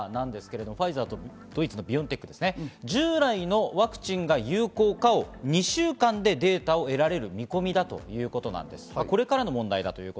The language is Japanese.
まずファイザーとドイツのビオンテックですが従来のワクチンが有効かを２週間でデータを得られる見込みだということなんです。